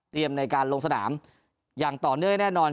ในการลงสนามอย่างต่อเนื่องแน่นอน